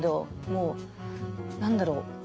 もう何だろう